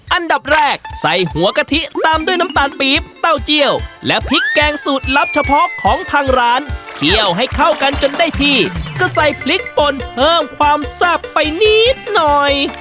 อันดับแรกใส่หัวกะทิตามด้วยน้ำตาลปี๊บเต้าเจียวและพริกแกงสูตรลับเฉพาะของทางร้านเคี่ยวให้เข้ากันจนได้ที่ก็ใส่พริกปนเพิ่มความแซ่บไปนิดหน่อย